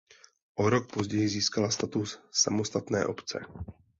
O rok později získala status samostatné obce.